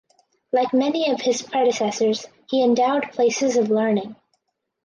Like many of his predecessors he endowed places of learning.